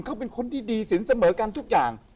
เขาเป็นคนที่ดีสินเสมอกันทุกอย่าง